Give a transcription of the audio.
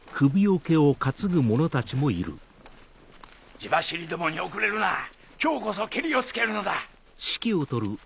ジバシリどもに遅れるな今日こそケリをつけるのだ。